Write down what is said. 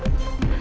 maf pengguna ini